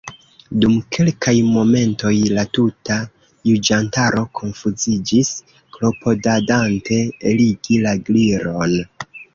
Dum kelkaj momentoj la tuta juĝantaro konfuziĝis, klopodadante eligi la Gliron.